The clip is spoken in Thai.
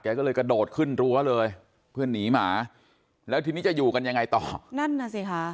ก็เลยกระโดดขึ้นรั้วเลยเพื่อหนีหมาแล้วทีนี้จะอยู่กันยังไงต่อนั่นน่ะสิค่ะ